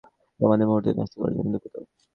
তোমাদের মূহুর্তটা নষ্ট করার জন্য দুঃখিত।